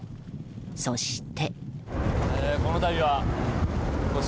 そして。